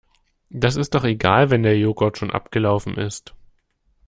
Das ist doch egal wenn der Joghurt schon abgelaufen ist.